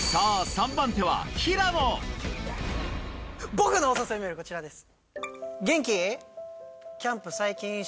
僕のお誘いメールこちらです。